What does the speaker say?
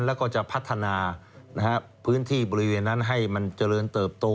แล้วก็จะพัฒนาพื้นที่บริเวณนั้นให้มันเจริญเติบโต